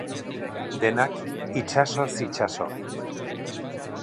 Denak, itsasoz itsaso.